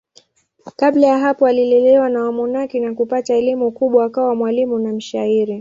Kabla ya hapo alilelewa na wamonaki na kupata elimu kubwa akawa mwalimu na mshairi.